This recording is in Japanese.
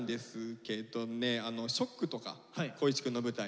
「ＳＨＯＣＫ」とか光一くんの舞台の。